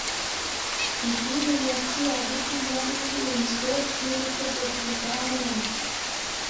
Idini ya Kiyahudi yari irinzwe n’ubutegetsi bwa Roma